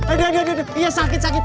aduh aduh aduh iya sakit sakit